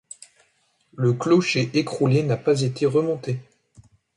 Le clocher écroulé n'a pas été remonté.